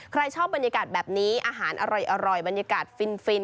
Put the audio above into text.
ใครชอบบรรยากาศแบบนี้อาหารอร่อยบรรยากาศฟิน